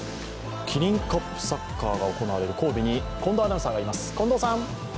キリンカップサッカーが行われる神戸に近藤アナウンサーがいます。